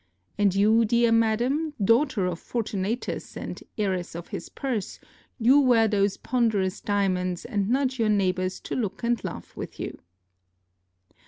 And you, dear madam, daughter of Fortunatus and heiress of his purse, you wear those ponderous diamonds and nudge your neighbors to look and laugh with you.